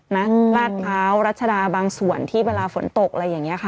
ลาดพร้าวรัชดาบางส่วนที่เวลาฝนตกอะไรอย่างนี้ค่ะ